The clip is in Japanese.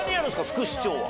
副市長は。